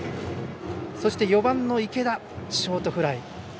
そして４番、池田ショートフライ。